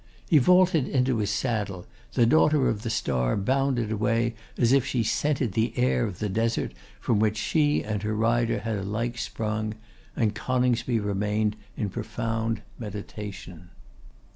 He vaulted into his saddle, 'the Daughter of the Star' bounded away as if she scented the air of the Desert from which she and her rider had alike sprung, and Coningsby remained in profound meditation.